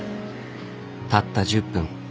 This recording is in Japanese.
たった１０分。